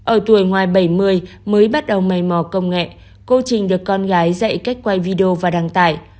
ở tuổi ngoài bảy mươi mới bắt đầu mây mò công nghệ cô trình được con gái dạy cách quay video và đăng tải